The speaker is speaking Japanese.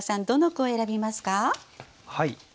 どの句を選びますか？